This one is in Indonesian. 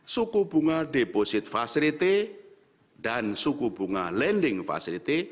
suku bunga deposit facility dan suku bunga lending facility